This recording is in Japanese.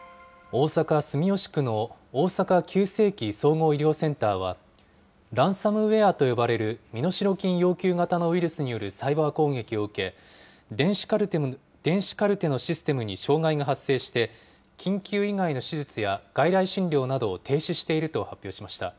大阪・住吉区の大阪急性期・総合医療センターは、ランサムウエアと呼ばれる身代金要求型のウイルスによるサイバー攻撃を受け、電子カルテのシステムに障害が発生して、緊急以外の手術や外来診療などを停止していると発表しました。